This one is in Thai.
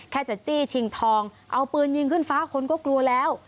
แค่จะจี้ชิงทองเอาปืนยิงขึ้นฟ้าคนก็กลัวแล้ว